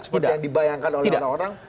seperti yang dibayangkan oleh banyak orang